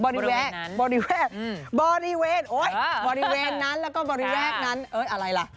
แล้วก็บริแวกนั้นอะไรล่ะบริเวณนั้นระแวกนั้นนะคะ